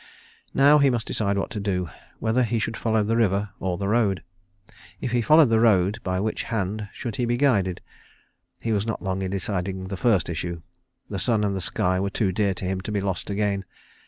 Now he must decide what to do, whether he should follow the river or the road. If he followed the road, by which hand should he be guided? He was not long in deciding the first issue. The sun and the sky were too dear to him to be lost again.